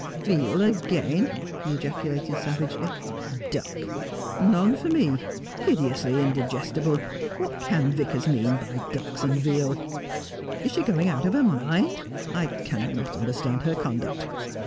' Veal again,' he ejaculated savagely. ' Duck. None for me. Hideously indigestible. What can Vicars mean by ducks and veal '\ Is she going out of her mind 1 I cannot understand her conduct.